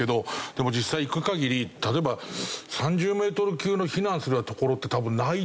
でも実際行く限り例えば３０メートル級の避難するような所って多分ないと思う。